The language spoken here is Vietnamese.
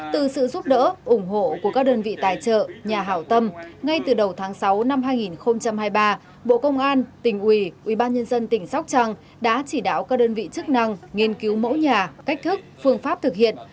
từ sự giúp đỡ ủng hộ của các đơn vị tài trợ nhà hảo tâm ngay từ đầu tháng sáu năm hai nghìn hai mươi ba bộ công an tỉnh ủy ubnd tỉnh sóc trăng đã chỉ đạo các đơn vị chức năng nghiên cứu mẫu nhà cách thức phương pháp thực hiện